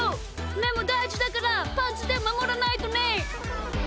めもだいじだからパンツでまもらないとね！